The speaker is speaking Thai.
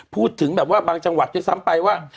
พูดถึงแบบว่าบางจังหวัดด้วยซ้ำไปว่า